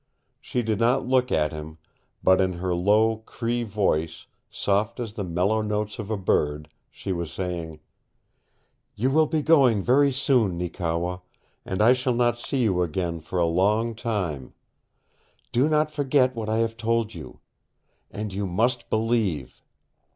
She did not look at him, but in her low Cree voice, soft as the mellow notes of a bird, she was saying: "You will be going very soon, Neekewa, and I shall not see you again for a long time. Do not forget what I have told you. And you must believe.